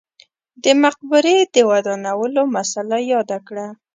د مقبرې د ودانولو مسئله یاده کړه.